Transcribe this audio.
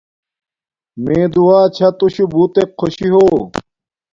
مے دعا چھا تو شو بوتک خوشی ہو